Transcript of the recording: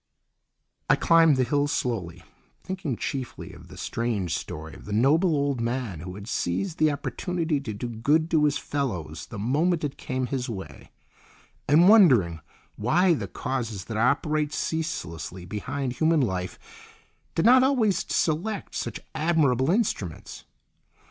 I climbed the hill slowly, thinking chiefly of the strange story of the noble old man who had seized the opportunity to do good to his fellows the moment it came his way, and wondering why the causes that operate ceaselessly behind human life did not always select such admirable instruments.